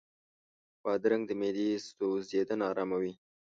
بادرنګ د معدې سوځېدنه آراموي.